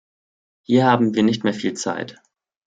Hier haben wir nicht mehr viel Zeit.